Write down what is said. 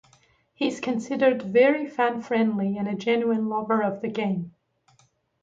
He is considered very fan-friendly, and a genuine lover of the game.